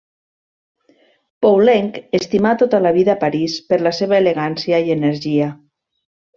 Poulenc estimà tota la vida París per la seva elegància i energia.